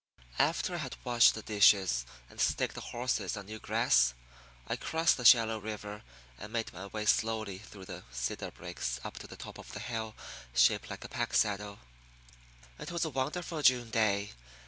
After I had washed the dishes and staked the horses on new grass, I crossed the shallow river and made my way slowly through the cedar brakes up to the top of the hill shaped like a pack saddle. It was a wonderful June day.